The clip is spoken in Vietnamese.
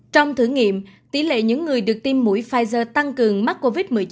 trong thử nghiệm tỷ lệ những người được tiêm mũi pfizer tăng cường mắc covid một mươi chín